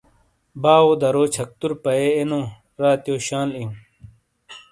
باٶو درو چھَکتُر پَیئے اے نو ، راتِیو شال اِیوں۔